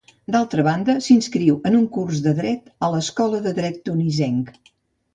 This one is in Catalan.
D'altra banda, s'inscriu en un curs de dret a l'Escola de Dret Tunisenc.